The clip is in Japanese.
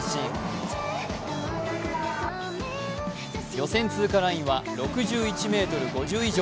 予選通過ラインは６１ｍ５０以上。